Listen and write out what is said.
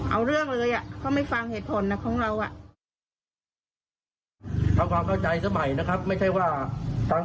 เอาเรื่องเลยเขาไม่ฟังเหตุผลนะของเราอ่ะ